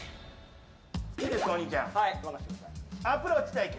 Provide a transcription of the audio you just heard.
いいですか、お兄ちゃん。